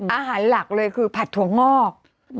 อาหารหลักเลยคือผัดถั่วงอก